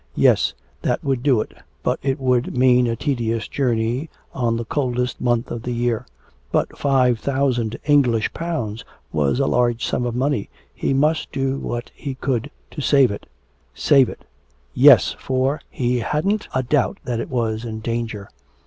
... Yes, that would do it, but it would mean a tedious journey on the coldest month of the year. But 5000 English pounds was a large sum of money, he must do what he could to save it. Save it! Yes, for he hadn't a doubt that it was in danger.